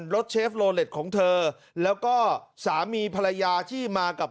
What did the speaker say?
เชฟโลเล็ตของเธอแล้วก็สามีภรรยาที่มากับ